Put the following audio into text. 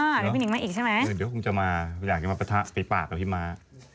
เดี๋ยวพี่หิงมาอีกใช่ไหมเดี๋ยวคงจะมาอยากจะมาปะทะปิดปากกับพี่ม้า